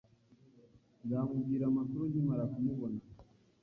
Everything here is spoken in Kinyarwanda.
Nzamubwira amakuru nkimara kumubona